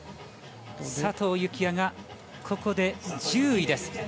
佐藤幸椰が、ここで１０位です。